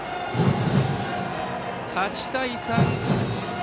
８対３。